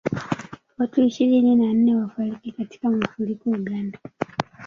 Watu ishirini na nne wafariki katika mafuriko Uganda